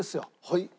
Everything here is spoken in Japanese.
はい？